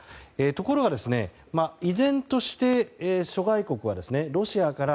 ところが依然として諸外国は、ロシアから。